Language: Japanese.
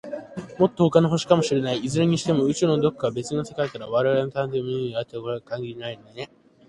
もっと、ほかの星かもしれない。いずれにしても、宇宙の、どこか、べつの世界から、われわれの地球を偵察にやってくるということは、考えられないことじゃないからね。